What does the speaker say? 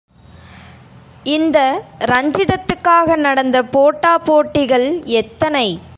இந்த ரஞ்சிதத்துக்காக நடந்த போட்டாபோட்டிகள் எத்தனை?